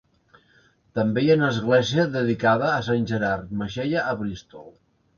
També hi ha una església dedicada a Sant Gerard Majella a Bristol.